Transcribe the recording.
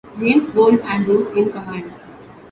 James Gold Andrews in command.